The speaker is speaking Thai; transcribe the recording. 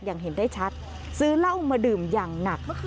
เห็นได้ชัดซื้อเหล้ามาดื่มอย่างหนัก